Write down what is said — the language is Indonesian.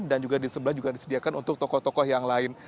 dan juga di sebelah juga disediakan untuk tokoh tokoh yang lain